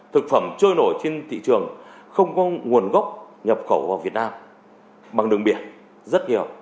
thực phẩm trôi nổi trên thị trường không có nguồn gốc nhập khẩu vào việt nam bằng đường biển rất nhiều